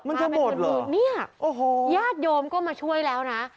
มันจะหมดเหรอเนี่ยญาติโยมก็มาช่วยแล้วนะ